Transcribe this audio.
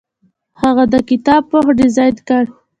هغه د کتاب پوښ ډیزاین کړ.